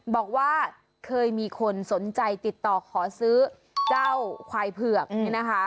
บอกว่าเคยมีคนสนใจติดต่อขอซื้อเจ้าควายเผือกนี่นะคะ